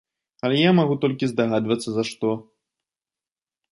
Але я магу толькі здагадвацца за што.